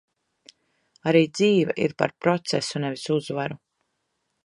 Arī dzīve ir par procesu, nevis uzvaru.